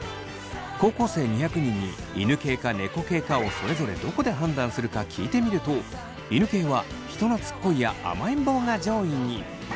高校生２００人に犬系か猫系かをそれぞれどこで判断するか聞いてみると犬系は人なつっこいや甘えん坊が上位に！